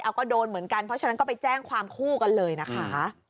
เอาก็โดนเหมือนกันเพราะฉะนั้นก็ไปแจ้งความคู่กันเลยนะคะ